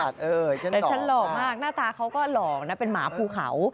แต่ฉันหล่อมากหน้าตาเขาก็หล่อนะเป็นหมาภูเขา